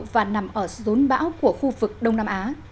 và nằm ở rốn bão của khu vực đông nam á